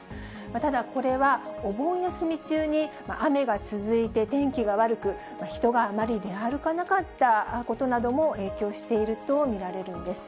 ただ、これはお盆休み中に雨が続いて天気が悪く、人があまり出歩かなかったことなども影響していると見られるんです。